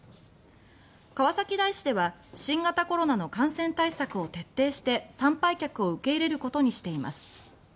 川崎大師では新型コロナの感染対策を徹底して参拝客を受け入れることにしています。